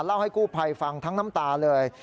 เล่าให้กู้ไพฟฟังทั้งน้ำตาเลย